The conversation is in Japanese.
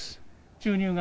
収入が？